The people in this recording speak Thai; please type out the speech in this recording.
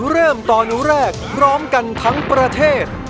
เริ่มตอนหนูแรกพร้อมกันทั้งประเทศ